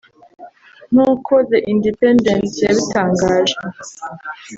nk’uko The Independent yabitangaje